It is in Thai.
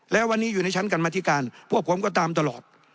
และวันนี้อยู่ในชั้นกรรมธิการพวกผมก็ตามตลอด